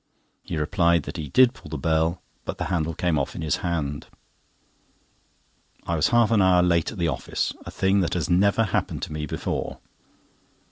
He replied that he did pull the bell, but the handle came off in his hand. I was half an hour late at the office, a thing that has never happened to me before.